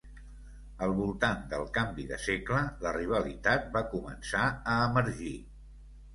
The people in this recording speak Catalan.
Al voltant del canvi de segle, la rivalitat va començar a emergir.